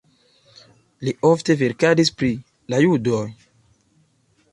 Li ofte verkadis pri la judoj.